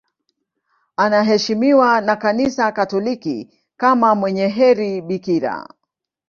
Anaheshimiwa na Kanisa Katoliki kama mwenye heri bikira.